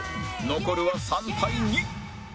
残るは３対２